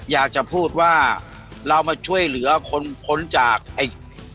อยากจะพูดว่าเรามาช่วยเหลือคนพ้นจากไอ้